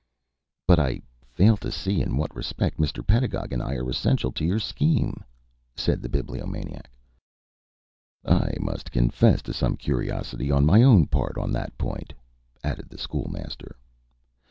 "But I fail to see in what respect Mr. Pedagog and I are essential to your scheme," said the Bibliomaniac. "I must confess to some curiosity on my own part on that point," added the School Master.